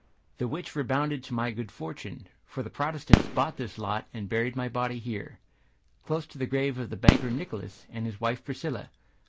The which redounded to my good fortune. For the Protestants bought this lot, And buried my body here, Close to the grave of the banker Nicholas, And of his wife Priscilla.